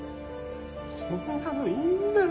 そんなのいいんだよ